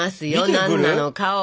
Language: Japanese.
何なのかを。